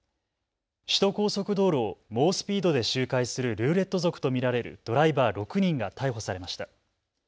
首都高速道路を猛スピードで周回するルーレット族と見られるドライバー６人が逮捕されました。